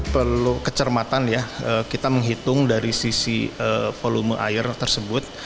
perlu kecermatan ya kita menghitung dari sisi volume air tersebut